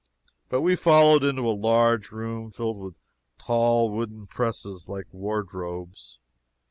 But we followed into a large room filled with tall wooden presses like wardrobes.